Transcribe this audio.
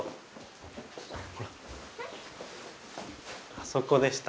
あそこでした。